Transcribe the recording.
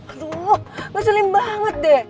aduh gak sulit banget deh